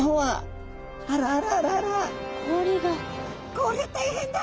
こりゃ大変だ！